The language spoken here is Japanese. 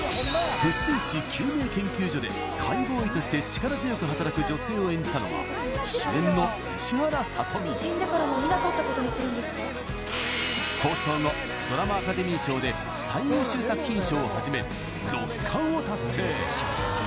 不自然死究明研究所で解剖医として力強く働く女性を演じたのは主演の放送後ドラマアカデミー賞で最優秀作品賞をはじめ６冠を達成